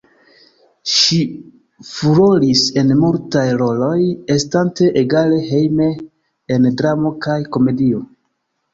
Ŝi furoris en multaj roloj, estante egale hejme en dramo kaj komedio.